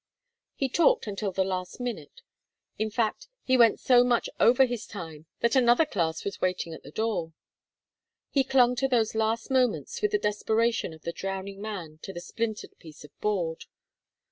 He talked until the last minute; in fact, he went so much over his time that another class was waiting at the door. He clung to those last moments with the desperation of the drowning man to the splintered piece of board.